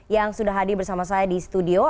yang sudah hadir bersama saya di studio